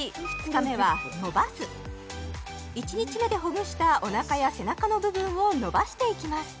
２日目はのばす１日目でほぐしたおなかや背中の部分をのばしていきます